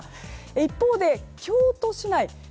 一方で、京都市内。